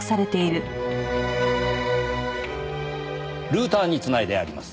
ルーターに繋いであります。